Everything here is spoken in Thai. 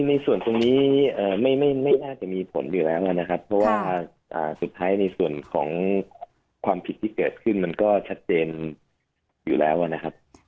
ในส่วนตรงนี้ไม่น่าจะมีผลอยู่แล้วนะครับเพราะว่าสุดท้ายในส่วนของความผิดที่เกิดขึ้นมันก็ชัดเจนอยู่แล้วนะครับ